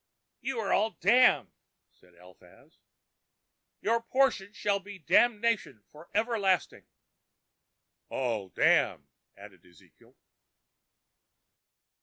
"You are all damned," said Eliphaz. "Your portion shall be damnation for everlasting." "All damned," added Ezekiel.